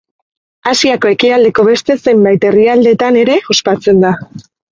Asiako ekialdeko beste zenbait herrialdetan ere ospatzen da.